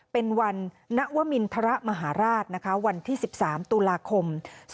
เป็นวันนวมินทรมหาราชวันที่๑๓ตุลาคม๒๕๖